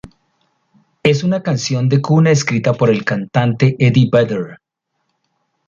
Es una canción de cuna escrita por el cantante Eddie Vedder.